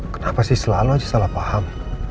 kenapa sih selalu aja salah paham